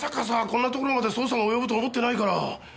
こんなところまで捜査が及ぶと思ってないから。